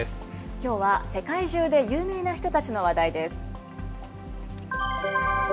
きょうは、世界中で有名な人たちの話題です。